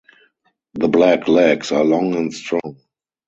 The black legs are long and strong.